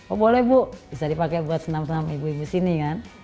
oh boleh bu bisa dipakai buat senam senam ibu ibu sini kan